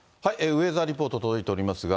ウェザーリポート届いておりますが。